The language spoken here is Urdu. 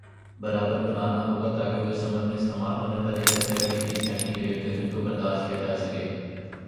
برابر بنانا ہوگا تاکہ وہ اس عمل میں استعمال ہونے والی درجے ڈگری سینٹی گریڈگرمی کو برداشت کیا جا سکے